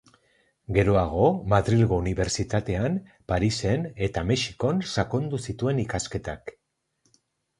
Geroago, Madrilgo Unibertsitatean, Parisen eta Mexikon sakondu zituen ikasketak.